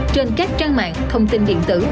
trên các trang mạng thông tin điện tử